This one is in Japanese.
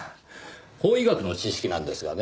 法医学の知識なんですがね